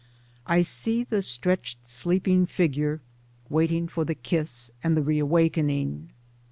I see the stretched sleeping figure — waiting for the kiss and the re awakening.